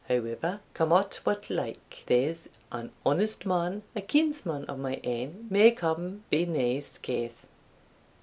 However, come o't what like, there's an honest man, a kinsman o' my ain, maun come by nae skaith.